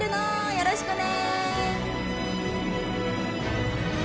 よろしくね！